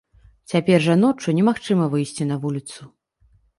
Цяпер жа ноччу немагчыма выйсці на вуліцу.